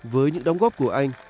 với những đóng góp của anh